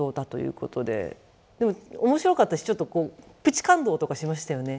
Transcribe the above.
でも面白かったしちょっとこうプチ感動とかしましたよね。